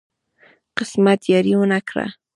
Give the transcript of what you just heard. قسمت یاري ونه کړه.